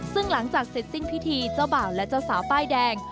ซึ่งหลังจากเสร็จสิ้นพิธีเจ้าบ่าวและเจ้าสาวป้ายแดง